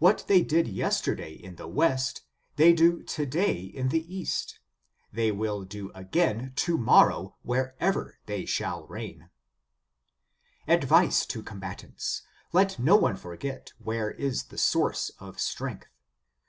What they did yesterday in the 146 The Sign of the Cross. 147 West, they do to day in the East ; they will do again to morrow wherever they shall reign. Advice to combatants : let no one forget where is the source of strength.